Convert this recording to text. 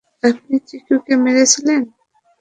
আপনি চিকুকে মেরেছিলেন।